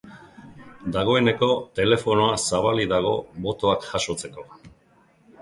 Dagoeneko telefonoa zabalik dago botoak jasotzeko.